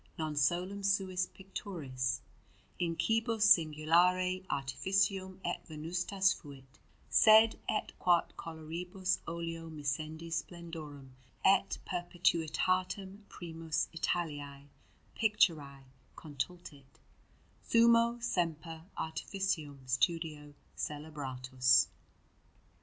NON SOLUM SUIS PICTURIS, IN QUIBUS SINGULARE ARTIFICIUM ET VENUSTAS FUIT, SED ET QUOD COLORIBUS OLEO MISCENDIS SPLENDOREM ET PERPETUITATEM PRIMUS ITALICÆ PICTURÆ CONTULIT, SUMMO SEMPER ARTIFICIUM STUDIO CELEBRATUS.